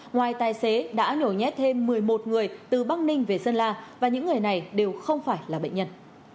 ngoài tài xế đã nhổ nhét thêm một mươi một người từ bắc ninh về sơn la và những người này đều không phải là bệnh nhân